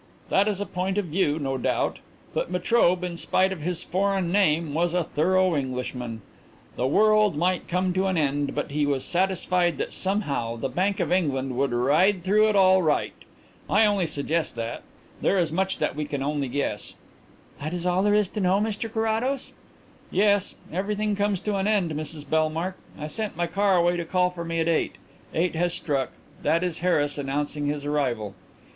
"That is a point of view, no doubt. But Metrobe, in spite of his foreign name, was a thorough Englishman. The world might come to an end, but he was satisfied that somehow the Bank of England would ride through it all right. I only suggest that. There is much that we can only guess." "That is all there is to know, Mr Carrados?" "Yes. Everything comes to an end, Mrs Bellmark. I sent my car away to call for me at eight. Eight has struck. That is Harris announcing his arrival."